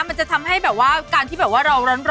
มันจะทำให้การที่เราร้อน